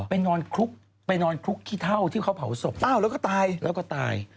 ไปนอนคลุกไปนอนคลุกขี้เท่าที่เขาเผาศพอ้าวแล้วก็ตายแล้วก็ตาย